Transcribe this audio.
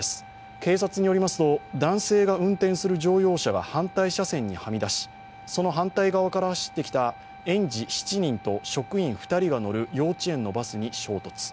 警察によりますと、男性が運転する乗用車が反対車線にはみ出し、その反対側から走ってきた園児７人と職員２人が乗る幼稚園のバスに衝突。